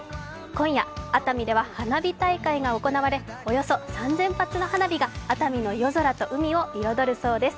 今夜、熱海では花火大会が行われおよそ３０００発の花火が頭に夜空と海を彩るそうです。